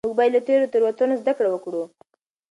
موږ باید له تیرو تېروتنو زده کړه وکړو.